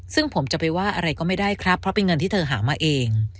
ซึ่งผมจะไปว่าอะไรก็ไม่ได้ครับเพราะเป็นเงินที่เธอหามาเอง